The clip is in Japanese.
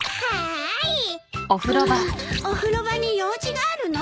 お風呂場に用事があるの？